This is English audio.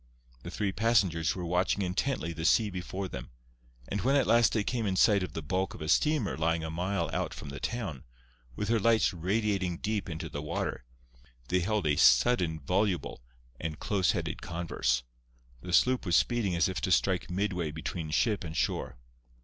The three passengers were watching intently the sea before them, and when at length they came in sight of the bulk of a steamer lying a mile out from the town, with her lights radiating deep into the water, they held a sudden voluble and close headed converse. The sloop was speeding as if to strike midway between ship and shore.